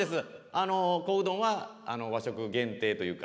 あの小うどんは和食限定というか。